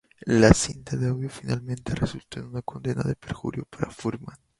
La cinta de audio finalmente resultó en una condena de perjurio para Fuhrman.